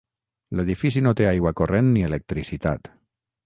L'edifici no té aigua corrent ni electricitat.